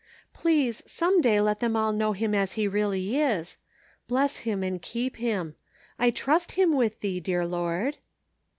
Please, some day let them all know him as he really is. Bless him and keep him. I trust him with Thee, dear Lord.'